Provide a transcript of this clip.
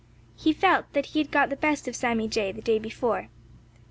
He felt that he had got the best of Sammy Jay the day before.